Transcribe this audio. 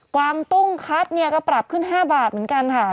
วางตุ้งคัดเนี่ยก็ปรับขึ้น๕บาทเหมือนกันค่ะ